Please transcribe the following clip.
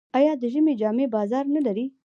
آیا د ژمي جامې بازار نلري؟